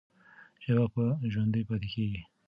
ژبه به ژوندۍ پاتې کېږي.